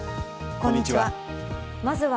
こんにちは。